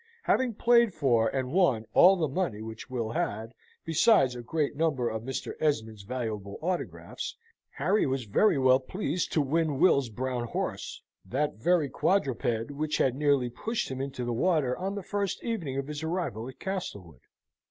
Having played for and won all the money which Will had, besides a great number of Mr. Esmond's valuable autographs, Harry was very well pleased to win Will's brown horse that very quadruped which had nearly pushed him into the water on the first evening of his arrival at Castlewood.